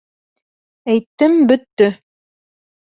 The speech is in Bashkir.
Әйттем — бөттө.